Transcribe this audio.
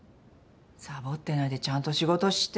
サボってないでちゃんと仕事して。